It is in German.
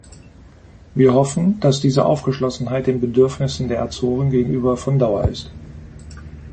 Wir hoffen, dass diese Aufgeschlossenheit den Bedürfnissen der Azoren gegenüber von Dauer ist.